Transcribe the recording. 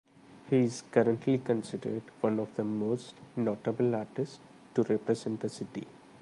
He is currently considered one of the most notable artists to represent the city.